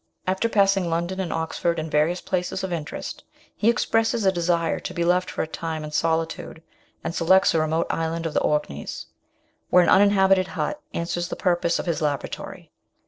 After passing London and Oxford and various places of interest, he expresses a desire to be left for a time in solitude, and selects a remote island of the Orkneys, where an uninhabited hut answers the purpose of his laboratory.